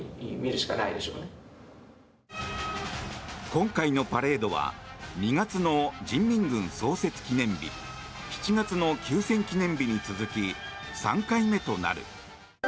今回のパレードは２月の人民軍創設記念日７月の休戦記念日に続き３回目となる。